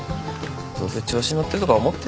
どうせ調子に乗ってるとか思ってんだろ。